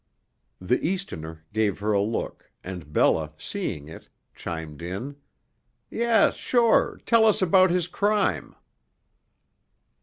The Easterner gave her a look, and Bella, seeing it, chimed in: "Yes, sure. Tell us about his crime."